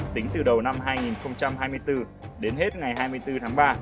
tính từ đầu năm hai nghìn hai mươi bốn đến hết ngày hai mươi bốn tháng ba